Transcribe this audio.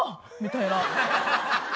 みたいな。